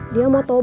dia mau topel